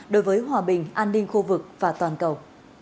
đối với hòa bình an ninh khu vực và toàn cầu